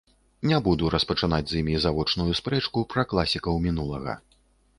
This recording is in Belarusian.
Не буду распачынаць з імі завочную спрэчку пра класікаў мінулага.